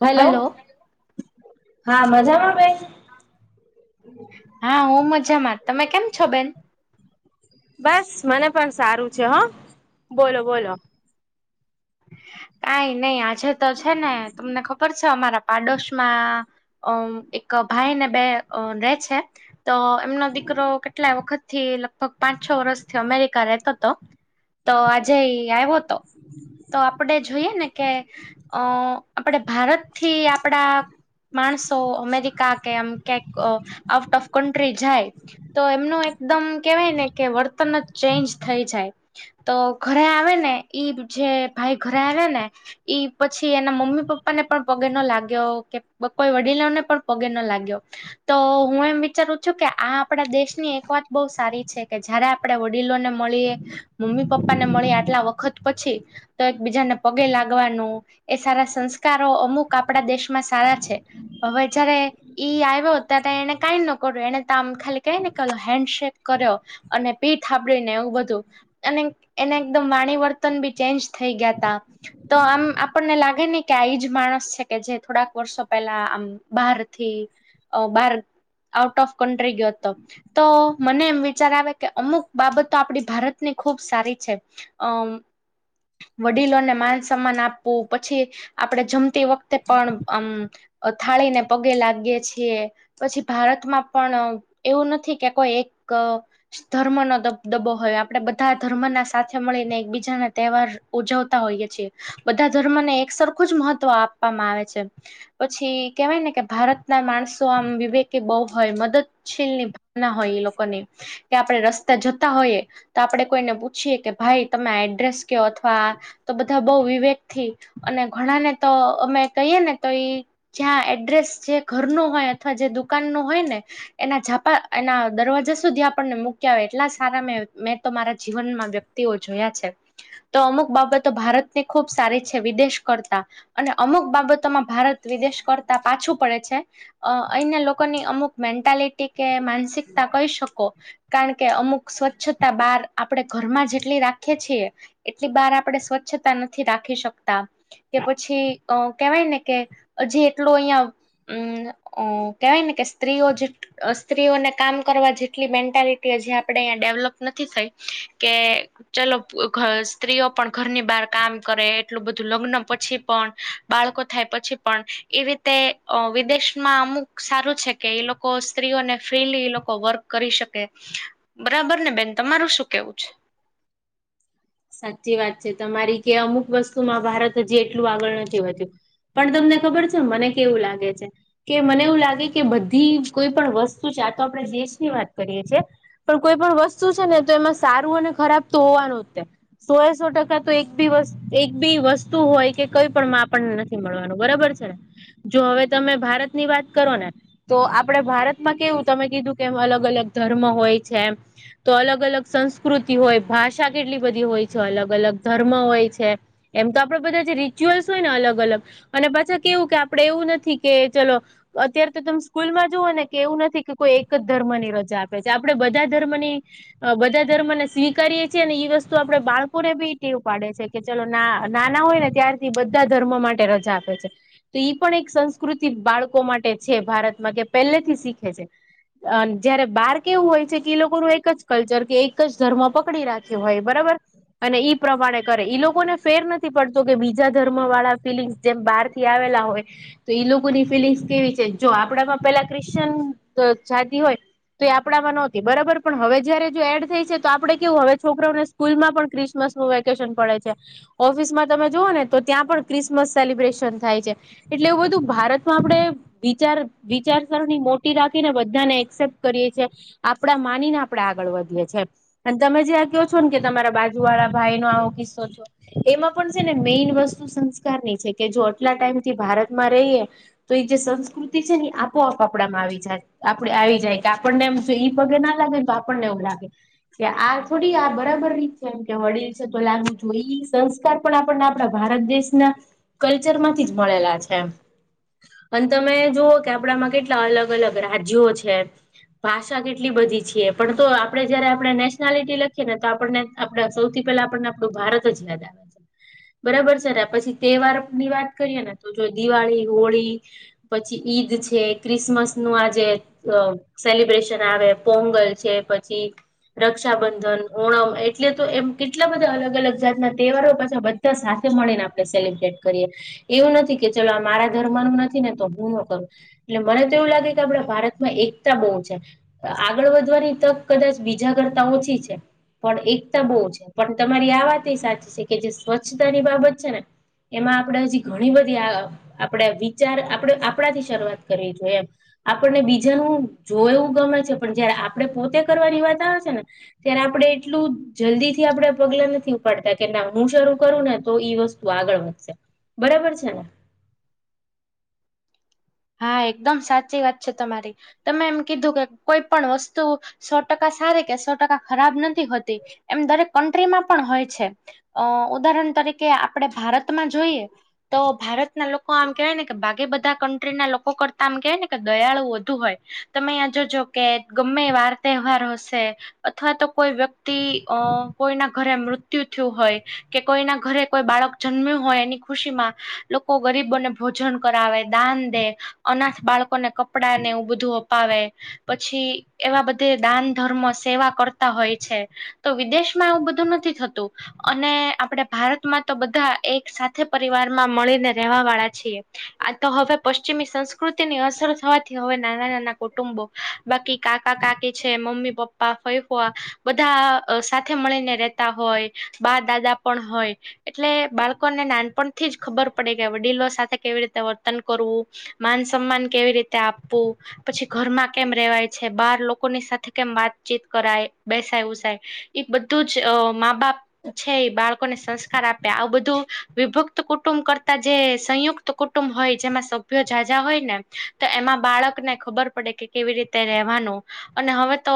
Hello hello હા મજામાં બેન? હા હું મજામાં તમે કેમ છો બેન? બસ મને પણ સારું છે હા બોલો બોલો- કઈ નઈ આજે તો છે ને તમને ખબર છે અમારા- પાડોશમાં અ એક ભાઈ ને બે રે છે- તો એમનો દીકરો કેટલાએ વખતથી- કોક પાંચ છ વર્ષથી અમેરિકા રહેતોતો તો આજે એ આવ્યો તો. [inaudible] તો આપળે જોઈએ ને કે અ આપળે ભારતથી આપળા - માણસો અમેરિકા કે આમ ક્યાંક આઉટ ઓફ કન્ટ્રી જાય- તો એમનું એકદમ કેવાય ને કે વર્તન જ ચેન્જ થઈ જાય. તો ઘરે આવે ને ઈ જે ભાઈ ઘરે આવે ને ઈ પછી એના મમ્મી પપ્પા ને પણ પગે ન લાગ્યો કે કોઈ વડીલોને પણ પગે ન લાગ્યો તો હું એમ વિચારું છું કે આ આપણા દેશ ની એક વાત બહુ સારી છે કે જયારે આપડે વડીલો ને મળીએ મમ્મી પપ્પા ને મળીએ આટલા વખત પછી. તો એક બીજાને પગે લાગવાનું એ સારા સંસ્કારો અમુક આપણા દેશમાં સારા છે. હવે જારે- ઈ આઈવો ત્યારે એને કઈ નોકર્યું એને ત ખાલી કઈ ને ક હેન્ડ શેક કર્યો - અને પી થાબડીને એવું બધું અને એને એકદમ વાણી વર્તન બી ચેન્જ- થઈ ગયા તા. તો આમ આપણને લાગે ને કે આ એજ માણસ છે કે જે થોડાક વર્ષો પહેલા આમ - બહારથી અ બહાર આઉટ ઓફ કન્ટ્રી ગયો હતો. તો મને એમ વિચાર આવે કે અમુક બાબતો આપણી ભારતની ખૂબ સારી છે. અમ. વડીલોને માન સન્માન આપવું પછી આપડે જમતી વખતે પણ આમ અ થાળી ને પગે લાગીએ છીએ- પછી ભારતમાં પણ એવું નથી કે કોઈ એક- ધર્મનો દબદબો હોય આપણે બધા ધર્મના સાથે મળીને એકબીજાના તહેવાર- ઉજવતા હોઈએ છીએ બધા ધર્મને એક સરખું જ મહત્વ આપવામાં આવે છે. પછી કેવાય ને કે ભારત ના માણસો આમ વિવેક કે બહુ હોય મદદશીલ નિભાવના હોય એ લોકોને. કે આપણે રસ્તા જતા હોઈએ તો આપણેે કોઈને પૂછીએ કે ભાઈ તમે એડ્રેસ કયો. હા તો બધા બહુ વિવેક થી અને ઘણાને તો અમે કહીએ ને તો ઈ. જ્યાં એડ્રેસ જે. ઘર નો હોય અથવા જે દુકાન નુ હોય ને એના જાપા એના દરવાજા સુધી આપણને મુક મુકી આવે એટલા સારા મેં મેં તો મારા જીવનમાં વ્યક્તિઓ જોયા છે. તો અમુક બાબતો ભારતની ખૂબ સારી છે વિદેશ કરતા અને અમુક બાબતો તમાર ભારત વિદેશ કરતા પાછું પડે છે. અ અહીના લોકોની અમુક મેન્ટાલિટી કે માનસિકતા કહી શકો કારણ કે અમુક સ્વચ્છતા બહાર આપણેે ઘરમાં જેટલી રાખીએ છીએ. એટલી બાર આપણે સ્વચ્છતા નથી રાખી શકતા. કે પછી અ કેવાય ને કે જે એટલું અહિયાં. હમ અ કેવાય ને કે સ્ત્રીઓ જે. સ્ત્રીઓને કામ કરવા જેટલી મેન્ટાલિટી હજી આપણેે અહીંયા ડેવલપ નથી થઈ કે. ચલો પુ ખસ. સ્ત્રીઓ પણ ઘરની બહાર કામ કરે એટલું બધું લગ્ન પછી પણ બાળકો થાય પછી પણ એ રીતે અ વિદેશમાં અમુક સારું છે કે એ લોકો સ્ત્રીઓને ફ્રીલી એ લોકો વર્ક કરી શકે બરાબર ને બેન તમારું શું કેવું છે. સાચી વાત છે તમારી કે અમુક વસ્તુમાં ભારત હજી એટલું આગળ નથી વધ્યું. પણ તમને ખબર છે મને કેવું લાગે છે. કે મને એવું લાગે કે બધી કોઈ પણ વસ્તુ ચાતો આપણે દેશ ની વાત કરીએ છે. પણ કોઈ પણ વસ્તુ છે ને તો એમાં સારું અને ખરાબ તો હોવાનું તે. સોયાસો ટકા તો એક બી વસ્ત. એક બી વસ્તુ હોય કે કઈ પણ આપણને નથી મળવાનું બરાબર છે. જો હવે તમે ભારત ની વાત કરો ને. તો આપણે ભારતમાં કેવું તમે કીધું કે અલગ અલગ ધર્મ હોય છે એમ. તો અલગ અલગ સંસ્કૃતિ હોય ભાષા કેટલી બધી હોય છે અલગ અલગ ધર્મ હોય છે. એમ તો આપડે બધા જે રિચ્યુઅલ્સ હોય ને અલગ અલગ. અને પાછા કેવું કે આપડે એવું નથી કે ચલો. અત્યારે તો તમે સ્કૂલમાં જુઓ ને કે એવું નથી કે કોઈ એક જ ધર્મની રજા આપે છે આપડણે બધા ધર્મની બધા ધર્મને સ્વીકારીએ છીએ અને એ વસ્ત. તો આપડે બાળકો ને બી ટેવ પાડે છે કે ચલો ના નાના હોય ને ત્યારથી બધા ધર્મ માટે રજા આપે છે. તો ઈ પણ એક સંસ્કૃતિ બાળકો માટે છે ભારતમાં કે પહેલેથી શીખે છે. અ જ્યારે બાર કેવું હોય છે કે એ લોકોનું એક જ કલ્ચર કે એક જ ધર્મ પકડી રાખ્યો હોય. બરાબર અને ઈ પ્રમાણે કરે ઈ લોકોને ફેર નથી પડતો કે બીજા ધર્મ વાળા ફિલિંગ્ જેમ બહાર થી આવેલા હોય તો ઈ લોકોની ફિલિંગ્સ કેવી છે જો આપડામાં પેલા ક્રિશ્ચયન જાતિ હોય તો એ આપણામાં નહોતી બરાબર પણ હવે જયારે જો એડ થઈ છે તો આપડે કેવું હવે છોકરાને સ્કૂલમાં પણ ક્રિસમસ નું વેકેશન પડે છે. ઓફિસમાં તમે જુઓ ને તો ત્યાં પણ ક્રિસમસ સેલિબ્રેશન થાય છે. એટલે એવું બધું ભારતમાં આપણે વિચાર વિચારસરણી મોટી રાખીને બધાને એક્સેપ્ટ કરીએ છીએ. આપડા માનીને આપણે આગળ વધીએ છીએ અને તમે જે આ કહો છો ને કે તમારા બાજુ વાળા ભાઈ નો આવો કિસ્સો છે. એમાં પણ છે ને મેઈન વસ્તુ સંસ્કારની છે કે જો આટલા ટાઈમથી ભારતમાં રહીએ તો એ જે સંસ્કૃતિ છે ને એ આપોઆપ આપડામાં આવી જાય. આપડે આવી જાય કે આપણનેમ જો ઈ પગે ના લાગે તો આપણને એવું લાગે કે આ થોડી આ બરાબર રીતે છે એમ કે વડીલ છે તો લાગવ જો એ સંસ્કાર પણ આપણને આપણા ભારત દેશના કલ્ચર માંથી જ મળેલા છે એમ. અન તમે જુઓ કે આપડામાં કેટલા અલગ અલગ રાજ્યો છે. ભાષા કેટલી બધી છે પણ તો આપડે જયારે આપણે નેશનાલિટી લખીએ ને તો આપણને આપડા સૌથી પેલા આપણને આપણું ભારત જ યાદ આવે. છે બરાબર છે ને પછી તહેવાર ની વાત કરીએ ને તો જો દિવાળી, હોળી પછી ઈદ છે, ક્રિસમસ નું આજે અ સેલિબ્રેશન આવે પોંગલ છે પછી રક્ષાબંધન ઓણમ એટલે તો એમ કેટલા બધા અલગ અલગ જાત ના તહેવારો પાછા બધા સાથે મળીને આપ સેલિબ્રેટ કરીએ એવું નથી કે ચલો મારા ધર્મ નું નથી ને તો હું ન કરું. એટલે મને તો એવું લાગે કે આપણા ભારતમાં એકતા બઉ છે. અ આગળ વધવાની તક કદાચ બીજા કરતા ઓછી છે. પણ એકતા બઉ છે પણ તમારી આ વાત એ સાચી છે કે જે સ્વચ્છતા ની બાબત છે ને એમાં આપણે હજી ઘણી બધી આ અ આપડે વિચાર આપણે આપણાથી શરૂઆત કરવી જોઈએ એમ. આપણને બીજાનું જોવાએવું ગમે છે પણ જયારે આપડે પોતે કરવાની વાત આવે છે ને ત્યારે આપડે એટલું જલ્દી થી આપડે પગલા નથી ઉપાડતા કે ના હું શરૂ કરું ને તો ઈ વસ્તુ આગળ વધશે. બરાબર છે ને? હા એકદમ સાચી વાત છે તમારી. તમે એમ કીધું કે કોઈ પણ વસ્તુ સો ટકા સારી કે સો ટકા ખરાબ નથી હોતી, એમ દરેક કન્ટ્રીમાં પણ હોય છે. અ ઉદાહરણ તરીકે આપણે ભારતમાં જોઈએ તો ભારત ના લોકો આમ કહેવાય ને કે ભાગે બધા ક ન્ટ્રી લોકો કરતા આમ કેવા ને કે દયાળુ વધુ હોય તમે આ જોજો કે ગમે વાર તહેવાર હોશે. અથવા તો કોઈ વ્યક્તિ અ કોઈના ઘરે મૃત્યુ થ્યું હોય. કે કોઈના ઘરે કોઈ બાળક જન્મ્યું હોય એની ખુશી માં લોકો ગરીબોને ભોજન કરાવે, દાન એ અનાથ બાળકોને કપડા ને એ બધું અપાવે. પછી એવા બધે દાન, ધર્મ, સેવા કરતા હોય છે તો વિદેશમાં આવું બધું નથ થી થતું અને આપણે ભારતમાં તો બધા એક સાથ થે પરિવાર માં મળીને રહેવા વાળા છે આ તો હવે પશ્ચિમી સંસ્કૃતિ ની અસર થવાથી હવે નાના નાના કુટુંબો બાકી કાકા કાકી છે મમ્મી પપ્પ પ્પા, ફઈ ફૂવા, બધા અ સાથે મળીને રેતા હોય બા દાદા પણ હોય. એટલે બાળકોને નાનપણથી જ ખબર પડે કે વડીલો સાથે કેવી રીતે વર્તન કરવું માન સમાન કેવી રીતે આપવું પછી ઘરમાં કેમ રેવાય છે બાર લોકોની સાથે કેમ વાતચીત કરાય બેસાય ઉસાય. એ બધું જ અ મા બાપ છે એ બાળકોને સંસ્કાર આપે આવું બધું વિભક્ત કુટુંબ કરતા જે સંયુક્ત કુટુંબ હોય જેમાં સભ્ય જાજા હોય ને તો એમાં બાળક ને ખબર પડે કે કેવી રીતે રેવાનું અને હવે તો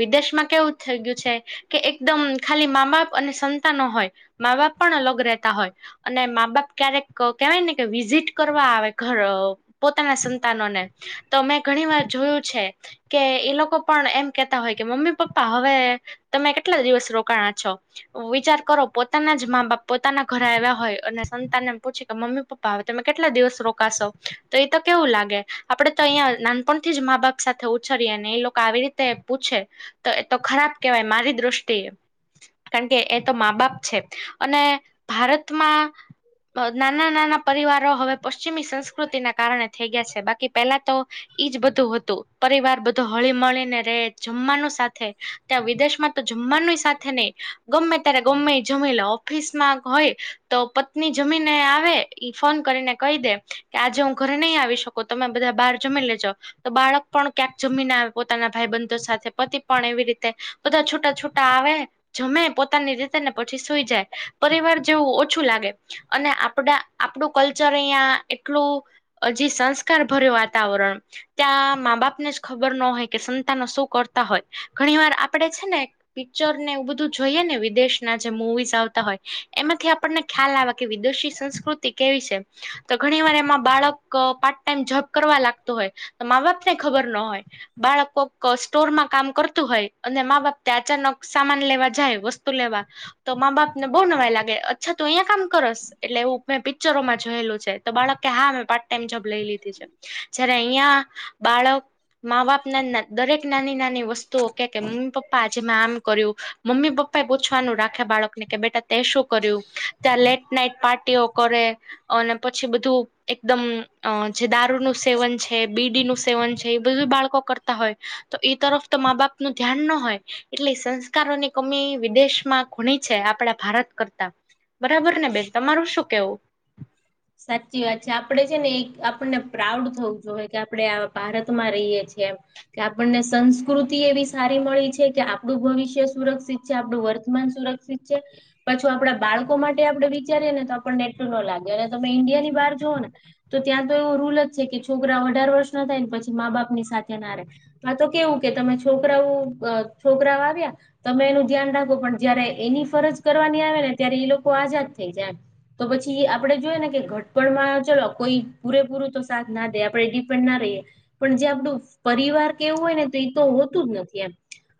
વિદેશમાં કેવું થઈ ગયું છે કે એકદમ ખાલી મા માપ અને સંતાનો હોય. મા બાપ પણ અલગ રહેતા હોય અને મા બાપ ક્યારેક કેવાય ને કે વિઝિટ કરવા આવે. ઘર પોતાના સંતાનોને તો મેં ઘણી વાર જોયું છે. કે એ લોકો પણ એમ કેતા હોય કે મમ્મી પપ્પા હવે તમે કેટલા દિવસ રોકાણા છો. વિચાર કરો પોતાના જ મા બાપ પોતાના ઘરે આવ્યા હોય અને સંતાનને પૂછે કે મમ્મી પપ્પા તમે કેટલા દિવસો રો કાશો તો એ તો કેવું લાગે આપડે તો અહિયાં નાનપણથી જ મા બાપ સાથે ઉછરિયા ને એ લોક આવી રી તે પૂછે તો એ તો ખરાબ કેવાય મારી દ્રષ્ટિએ કારણ કે એ તો મા બાપ છે અને ભારતમાં નાના નાના પરિવારો હવે પશ્ચિમી સંસ્કૃતિના કારણે થઈ ગયા છે બાકી પહેલા તો એઈજ બધું હતું પરિવાર બધું હળી મળીને રહે જમવાનું સાથે ત્યાં વિદેશમાં તો જમવાનું સાથે નહી ગમે ત્યારે ગમે જમીલો ઓફિસમાં હોય તો પત્ની જમીને આવે ઈ ફોન કરીને કહી દે કે આજે હું ઘરે નહી આવી શકુ તમે બધા બહાર જમી લેજો તો બાળક પણ ક્યાંક જમી ના પોતાના ભાઈ બંધો સાથે પતિ પણ એવી રીતે બધા છૂટા છૂટા આવે જમે પોતાની રીતે ને પછી સુઈ જાય પરિવાર જેવું ઓછું લાગે અને આપ આપણું કલ્ ચર અહિયા એટલું હજી સંસ્કાર ભર્યો વાતાવરણ ત્યાં મા બાપને જ ખબર ન હોય કે સંતાનો શું કરતા હોય ઘણી વાર આપડે છે ને પિક્ચર ને એવું બધું જોઈએ ને વિદેશના જે મુવીઝ આવતા હોય એમાંથી આપણને ખ્યાલ આવે કે વિદેશી સંસ્કૃતિ કેવી છે. તો ઘણી વાર એમાં બાળક પાર્ટ ટાઈમ જોબ કરવા લાગતો હોય તો મા બાપ ને ખબર ના હોય બાળકો સ્ટોર માં કામ કરતું હોય અને મા બાપ તો અચાનક સામાન લેવા જાય વસ્તુ લેવા તો મા બાપ ને બહુ નવાઈ લાગે અચ્છા તું અયા કામ કરસ એટલે એવું મેં પિક્ચરોમાં જોયેલું છે તો બાળક કે હા મેં પાર્ટ ટાઈમ જોબ લઈ લીધી છે જય્યારે અહિયાં બાળક મા બાપ ના દરેક નાની નાની વસ્તુઓ કે મમ્મી પપ્પા આજે મે આમ કર્યું મમ્મી પપ્પા એ પૂછવાનું રાખે બાળકને કે બેટા તે શું કર્યું ત્યાં લેટ નાઈટ પાર્ટીઓ કરે. અને પછી બધું એકદમ અ જે દારૂનું સેવન છે બીડીનું સેવન છે એ બધું બાળકો કર તા હોય તો એ તરફ તો મા બાપ નું ધ્યાન ન હોય એટલે સંસ્કારોની કમી વિદેશમાં ઘણી છે આપડા ભારત કરતા બરાબર ને બેન તમારું શું કેવું સાચી વાત છે આપણે છે ને એક આપણને પ્રાઉડ થવું જોઈએ કે આપણે આ ભારતમાં રહીએ છીએ એમ. કે આપણને સંસ્કૃતિ એવી સારી મળી છે કે આપણું ભવિષ્ય સુરક્ષિત છે આપણું વર્તમાન સુરક્ષિત પાછું આપણા બાળકો માટે આપડે વિચારીએ ને તો આપને એટલું ન લાગે તમે ઈન્ડિયા ની બહાર જુઓ ને તો ત્યાં તો એવું રૂલ જ છે કે છોકરા અઢાર વર્ષ ના થાય ને પછી મા બાપની સાથે ના રહે. આ તો કેવું કે તમે છોકરાઓ છોકરાઓ આવ્યા તમે એનું ધ્યાન રાખો પણ જયારે એની ફરજ કરવાની આવે ને ત્યારે એ લોકો આઝાદ થઈ જાય. તો પછી આપડે જોએ ને કે ઘટપડમાં ચલો કોઈ પૂરેપૂરું તો સાથ ના દે આપડે ડિપેન્ડ ના રહીએ પણ જે આપણું પરિવાર કેવું હોય ને તો એ તો હોતું જ નથી એમ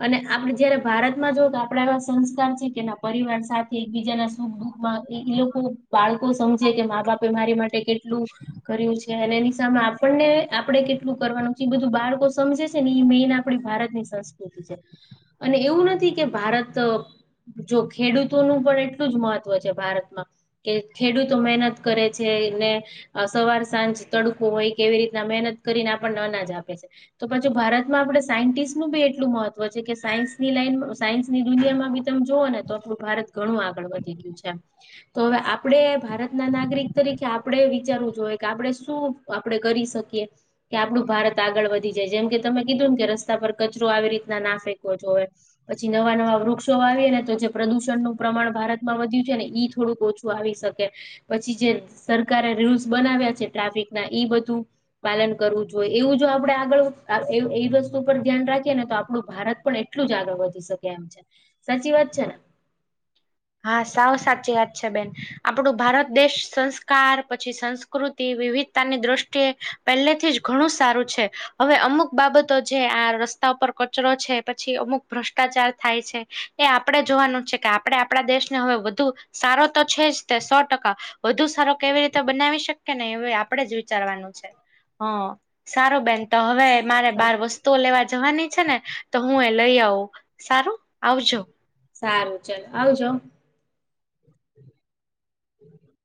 અને આપડે જયારે ભારતમાં જોઓ કે આપડા એવા સંસ્કાર છે કે એના પરિવાર સાથે એકબીજાના સુખ દુઃખ લોકો બાળકો સમજે કે મા બાપે મારી માટે કેટલું. કર્યું છે અને એની સામે આપણને આપે કેટલું કરવાનું છે એ બધું બાળકો સમજે છે ને એ મેન આપણી ભારતની સંસ્કૃતિ છે અને એવું નથી કે ભારત જો ખેડૂતોનું પણ એટલું જ મહત્વ છે ભારતમાં કે ખેડૂત તો મહેનત કરે છેને. સવાર સાંજ તડકોું હોય કેવી રીતના મહેનત કરીને આપણને અનાજ આપે છે. તો પછી ભારતમાં આપણે સાયન્ટિસ્ટનુંું બી એટલું મહત્વ છે કે સાયન્સની લાઈન સાયન્સની દુનિયામાં બી ત જોુવ ને તો આટલું ભારત ઘણું આગળ વધી ગયું છે તો હવે આપડે.. ભારત ના નાગરિક તરીકે આપણેે વિચારવું જોઈએ કે આપણે શું આપણેે કરી શકીએ. કે આપડું ભારત આગળ વધી જાય જેમ કે તમે કીધું ને કે રસ્તા પર કચરો આવી રીતના ના ફેંકોવો જોઈએ. પછી નવા નવા વૃક્ષો આવે ને તો જે પ્રદુષણનુંું પ્રમાણ ભારતમાં વધ્યું છે ને ઈ થોડુંક ઓછું આવી શકે. કે પછી જે સરકારે રૂલ્સ બનાવ્યા છે ટ્રાફિક ના ઈ બધું. પાલન કરવું જોઈ એવું જો આપડે આગળ એ વસ્તુ પર ધ્યાન રાખીએ ને તો આપડું ભારત પણ એક એટલું જ આગળ વધી શકે એમ છે સાચી વાત છે ને. હા સાવ સાચી વાત છે બેન. આપણું ભારત દેશ સંસ્કાર પછી સંસ્કૃતિ વિવિધતાની દ્રષ્ટિએ. પહેલેથી જ ઘણું સારું છે. હવે અમુક બાબતો જે આ રસ્તા ઉપર કચરો છે પછી અમુક ભ્રષ્ટાચાર થાય છે. એ આપણેે જોવાનું જ છે કે આપડણે આપણા દેશને હવે વધુ સારો તો છે જ તે સો ટકા. વધુ સારો કેવી રીતે બનાવી શકીએ ને એ આપડે જ વિચારવાનું છે. હા સારો બેન તો હવે. મારે બાર વસ્તુઓ લેવા જવાની છે ને તો હું એ લઈ આવું સારું આવજો. સારું ચલ આવજો. [inaudible]